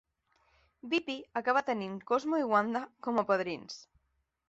Bippy acaba tenint Cosmo i Wanda com a padrins.